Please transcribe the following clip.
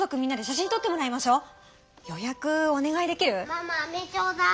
ママあめちょうだい。